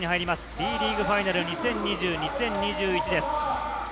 Ｂリーグファイナル２０２０−２１です。